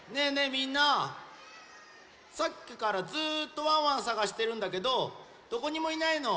みんなさっきからずっとワンワンさがしてるんだけどどこにもいないの。